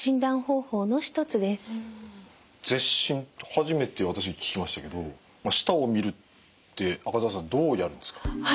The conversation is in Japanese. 初めて私聞きましたけど舌を診るって赤澤さんどうやるんですか？